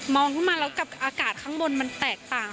ขึ้นมาแล้วกับอากาศข้างบนมันแตกต่าง